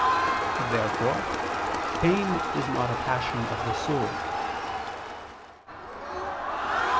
Therefore pain is not a passion of the soul.